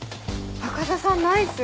赤座さんナイス。